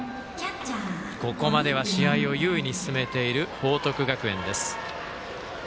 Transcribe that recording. ここまでは試合を優位に進めている報徳学園です。